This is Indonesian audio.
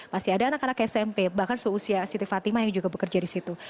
masih ada anak anak smp bahkan seusia siti fatimah yang juga bekerja di situ